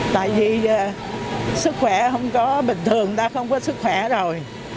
tại vì sức khỏe không có bình thường người ta không có sức khỏe rồi